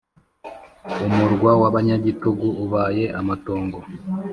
Umurwa w’abanyagitugu ubaye amatongo